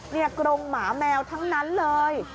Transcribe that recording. นี่กรงหมาแมวทั้งนั้นเลย